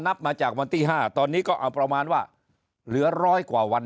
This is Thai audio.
นับมาจากวันที่๕ตอนนี้ก็เอาประมาณว่าเหลือร้อยกว่าวัน